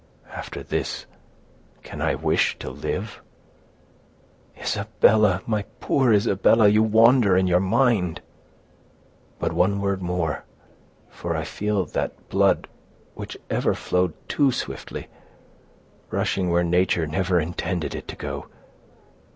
After this, can I wish to live?" "Isabella! my poor Isabella! you wander in your mind." "But one word more—for I feel that blood, which ever flowed too swiftly, rushing where nature never intended it to go.